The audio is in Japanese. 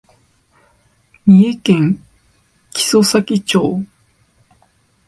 三重県木曽岬町